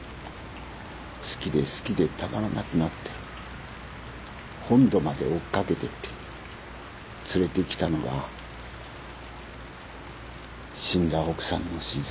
好きで好きでたまらなくなって本土まで追っかけてって連れてきたのが死んだ奥さんの静江さんだ。